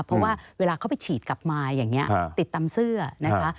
เพราะว่าเวลาเขาไปฉีดกลับมาอย่างนี้ติดตามเสื้อนะคะ